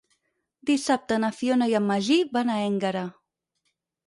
Dissabte na Fiona i en Magí van a Énguera.